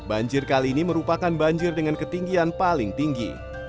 banjir kali ini merupakan banjir dengan ketinggian paling tinggi